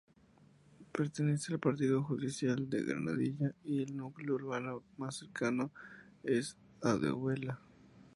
Pertenece al Partido Judicial de Granadilla y el núcleo urbano más cercano es Aldehuela.